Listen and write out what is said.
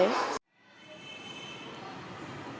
từ ngày có sân bóng đá